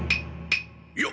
いや！